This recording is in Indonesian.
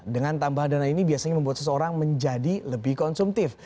dengan tambahan dana ini biasanya membuat seseorang menjadi lebih konsumtif